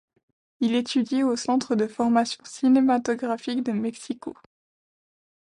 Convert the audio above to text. Il étudie au Centre de Formation Cinématographique de Mexico.